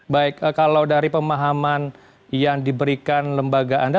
baik kalau dari pemahaman yang diberikan lembaga anda